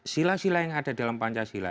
sila sila yang ada dalam pancasila